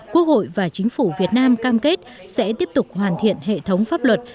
quốc hội và chính phủ việt nam cam kết sẽ tiếp tục hoàn thiện hệ thống pháp luật